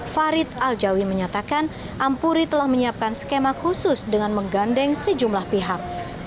farid aljawi menyatakan ampuri telah menyiapkan skema khusus dengan menggandeng sejumlah pihak